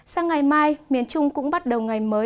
sang ngày mai miền trung cũng bắt đầu ngày mới